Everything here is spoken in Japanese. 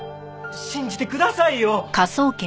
信じてくださいよ！